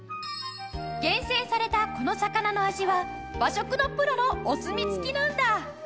厳選されたこの魚の味は和食のプロのお墨付きなんだ。